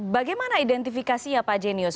bagaimana identifikasi ya pak jenius